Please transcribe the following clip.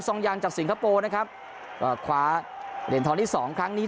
ยังจากสิงคโปร์นะครับก็คว้าเหรียญทองที่สองครั้งนี้